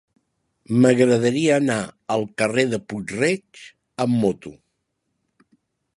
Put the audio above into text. M'agradaria anar al carrer de Puig-reig amb moto.